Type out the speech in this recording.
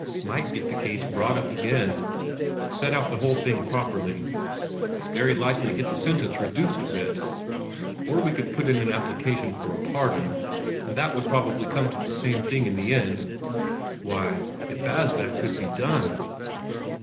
"Might get the case brought up again. Set out the whole thing properly; very likely get the sentence reduced a bit. Or we could put in an application for a pardon, and that would probably come to the same thing in the end." "Why, if as that could be done...."